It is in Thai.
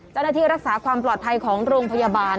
เจ้าหน้าที่รักษาความปลอดภัยของโรงพยาบาล